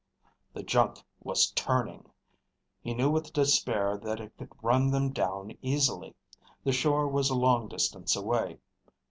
The junk was turning! He knew with despair that it could run them down easily. The shore was a long distance away.